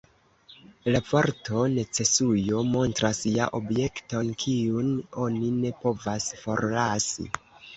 La vorto _necesujo_ montras ja objekton, kiun oni ne povas forlasi.